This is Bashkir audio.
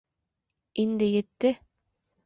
Инде етте.